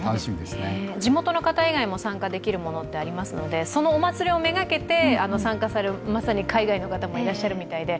地元の方以外も参加できるものがありますのでそのお祭りを目がけて参加される海外の方もいらっしゃるみたいで